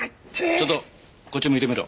ちょっとこっち向いてみろ。